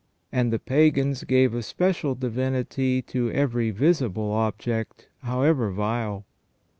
And the pagans gave a special divinity to every visible object, however vile.